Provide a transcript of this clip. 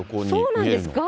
そうなんです。